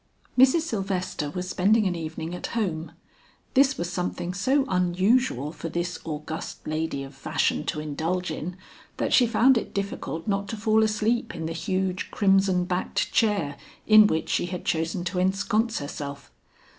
Mrs. Sylvester was spending an evening at home. This was something so unusual for this august lady of fashion to indulge in, that she found it difficult not to fall asleep in the huge crimson backed chair in which she had chosen to ensconce herself.